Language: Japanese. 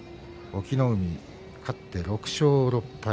隠岐の海、勝って６勝６敗。